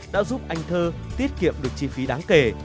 đã giúp anh thơ tiết kiệm được chi phí đáng kể